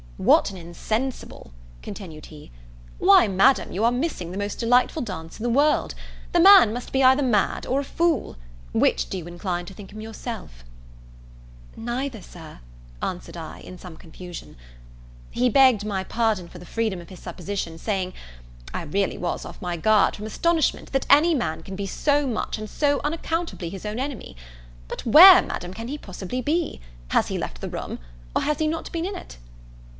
"What an insensible!" continued he; "why, Madam, you are missing the most delightful dance in the world! The man must be either mad or a fool Which do you incline to think him yourself?" "Neither, Sir," answered I, in some confusion. He begged my pardon for the freedom of his supposition, saying, "I really was off my guard, from astonishment that any man can be so much and so unaccountably his own enemy. But where, Madam, can he possibly be! has he left the room! or has not he been in it?"